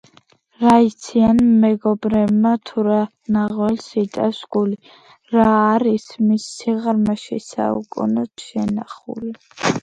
რა იციან მეგობრებმა თუ რა ნაღველს იტევს გული რა არის მის სიღრმეში საუკუნოდ შენახული